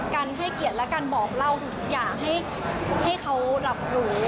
ให้เกียรติและการบอกเล่าทุกอย่างให้เขารับรู้